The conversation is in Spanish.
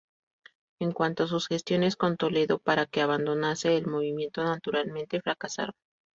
En cuanto a sus gestiones con Toledo para que abandonase el movimiento naturalmente fracasaron.